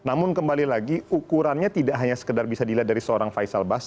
namun kembali lagi ukurannya tidak hanya sekedar bisa dilihat dari seorang faisal bas